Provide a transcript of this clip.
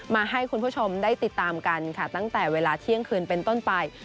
มาให้คุณผู้ชมได้ติดตามกันค่ะตั้งแต่เวลาเที่ยงคืนเป็นต้นไป